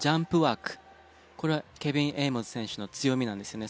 これはケビン・エイモズ選手の強みなんですよね。